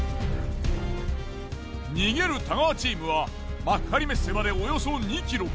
逃げる太川チームは幕張メッセまでおよそ２ｋｍ。